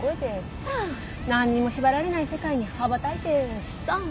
何にも縛られない世界に羽ばたいてさ。